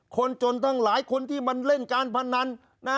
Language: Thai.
คนจนทั้งหลายคนที่มันเล่นการพนันนะ